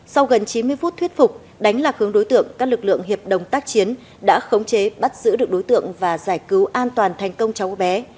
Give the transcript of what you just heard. sau gần chín mươi phút thuyết phục đánh lạc hướng đối tượng các lực lượng hiệp đồng tác chiến đã khống chế bắt giữ được đối tượng và giải cứu an toàn thành công cháu bé